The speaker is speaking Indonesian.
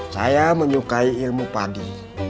saya menyukai ilmu padi